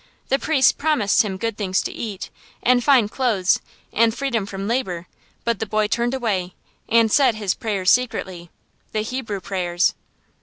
The priests promised him good things to eat, and fine clothes, and freedom from labor; but the boy turned away, and said his prayers secretly the Hebrew prayers.